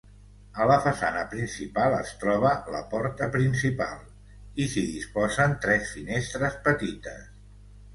A la façana principal es troba la porta principal i s'hi disposen tres finestres petites.